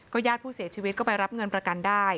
ญาติผู้เสียชีวิตก็ไปรับเงินประกันได้